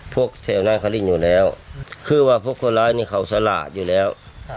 พวกเซลน่าคาลิ่งอยู่แล้วคือว่าพวกคนร้ายนี่เขาสละอยู่แล้ว